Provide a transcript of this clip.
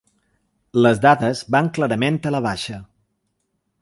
Les dades van clarament a la baixa.